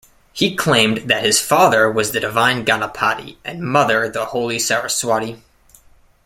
He claimed that his father was the divine Ganapati and mother the Holy Saraswati.